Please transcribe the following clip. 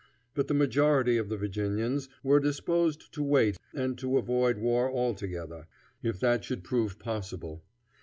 But the majority of the Virginians were disposed to wait and to avoid war altogether, if that should prove possible.